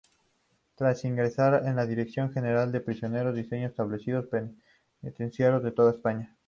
Tras ingresar en la Dirección General de Prisiones, diseñó establecimientos penitenciarios por toda España.